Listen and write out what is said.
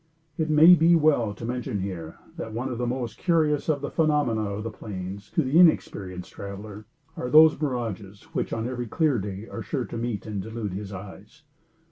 It may be well to mention here, that one of the most curious of the phenomena of the plains, to the inexperienced traveler, are those mirages which, on every clear day, are sure to meet and delude his eyes.